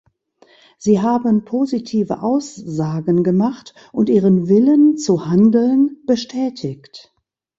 Sie haben positive Aussagen gemacht und Ihren Willen zu handeln bestätigt.